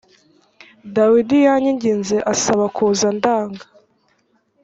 dawidi yanyinginze ansabakuza ndanga